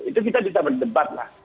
itu kita bisa berdebat lah